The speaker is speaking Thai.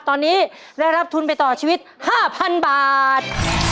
ตอนนี้ได้รับทุนไปต่อชีวิต๕๐๐๐บาท